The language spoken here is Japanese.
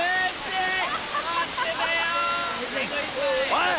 おい！